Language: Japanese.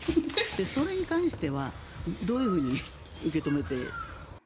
それに関してはどういうふうに受け止めて。